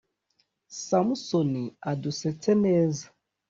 samusoni adusetse neza